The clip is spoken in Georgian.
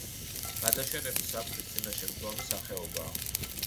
გადაშენების საფრთხის წინაშე მდგომი სახეობაა.